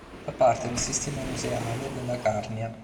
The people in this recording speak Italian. Fa parte del sistema museale della Carnia.